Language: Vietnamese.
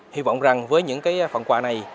hy vọng rằng với những phần quà này